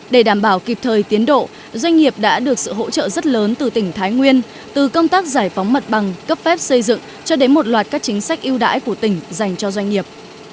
để đảm bảo kịp thời tiến độ doanh nghiệp đã được sự hỗ trợ rất lớn từ tỉnh thái nguyên từ công tác giải phóng mặt bằng cấp phép xây dựng cho đến một loạt các chính sách yêu đãi của tỉnh dành cho doanh nghiệp